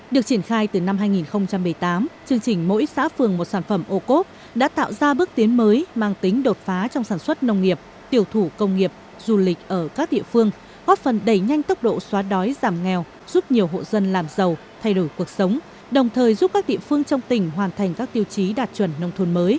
được triển khai từ năm hai nghìn một mươi tám chương trình mỗi xã phường một sản phẩm ô cốt đã tạo ra bước tiến mới mang tính đột phá trong sản xuất nông nghiệp tiểu thủ công nghiệp du lịch ở các địa phương góp phần đẩy nhanh tốc độ xóa đói giảm nghèo giúp nhiều hộ dân làm giàu tiểu thủ công nghiệp du lịch ở các địa phương